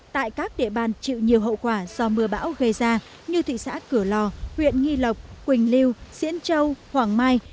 tại các địa bàn chịu nhiều hậu quả do mưa bão gây ra như thị xã cửa lò huyện nghi lộc quỳnh lưu diễn châu hoàng mai